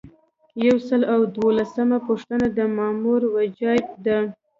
یو سل او دولسمه پوښتنه د مامور وجایب دي.